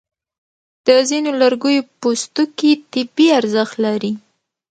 د ځینو لرګیو پوستکي طبي ارزښت لري.